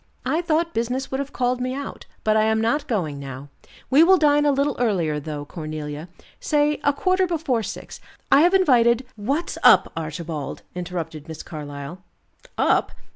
"I thought business would have called me out, but I am not going now. We will dine a little earlier, though, Cornelia, say a quarter before six. I have invited " "What's up, Archibald?" interrupted Miss Carlyle. "Up!